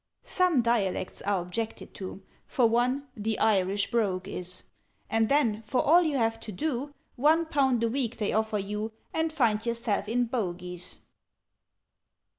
"Some dialects are objected to For one, the Irish brogue is: And then, for all you have to do, One pound a week they offer you, And find yourself in Bogies!"